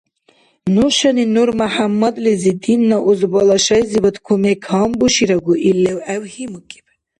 Нушани НурмяхӀяммадлизи динна узбала шайзибад кумек гьанбуширагу, ил левгӀев гьимукӀиб.